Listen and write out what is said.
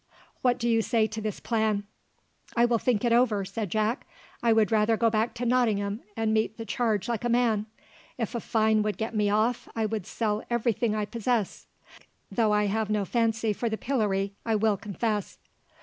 What do you say to this plan?" "I will think it over," said Jack. "I would rather go back to Nottingham and meet the charge like a man. If a fine would get me off, I would sell every thing I possess; though I have no fancy for the pillory, I will confess."